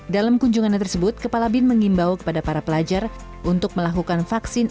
dalam kunjungannya tersebut kepala bin mengimbau kepada para pelajar untuk melakukan vaksin